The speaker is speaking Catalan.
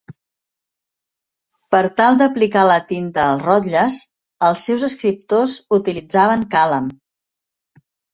Per tal d'aplicar la tinta als rotlles, els seus escriptors utilitzaven càlam.